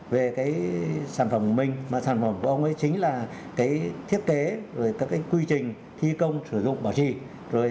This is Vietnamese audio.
vâng biên thiết kế thì